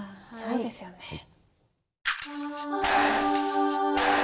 そうですよね。